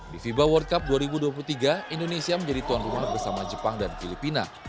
di fiba world cup dua ribu dua puluh tiga indonesia menjadi tuan rumah bersama jepang dan filipina